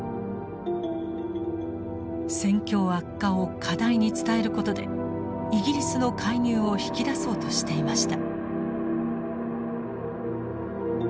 戦況悪化を過大に伝えることでイギリスの介入を引き出そうとしていました。